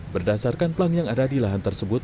berdasarkan pelang yang ada di lahan tersebut